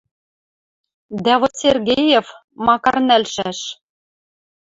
Дӓ вот Сергеев, макар нӓлшӓш